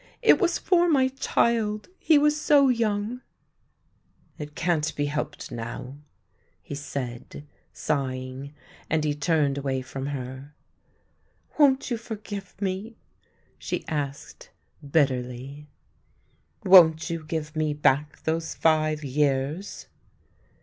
" It was for my child ; he was so young." " It can't be helped now," he said, sighing, and he turned away from her. " Won't you forgive me? " she asked bitterly. " Won't you give me back those five years